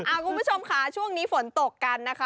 คุณผู้ชมค่ะช่วงนี้ฝนตกกันนะคะ